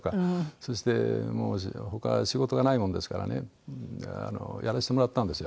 そして他仕事がないものですからねやらせてもらったんですよ。